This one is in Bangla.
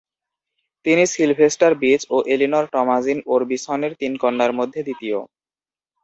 তিনি সিলভেস্টার বিচ ও এলিনর টমাজিন ওরবিসনের তিন কন্যার মধ্যে দ্বিতীয়।